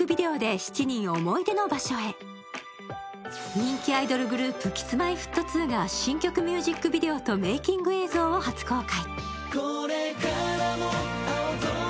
人気アイドルグループＫｉｓ−Ｍｙ−Ｆｔ２が新曲ミュージックビデオとメイキング映像を初公開。